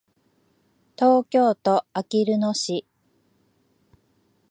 東京都あきる野市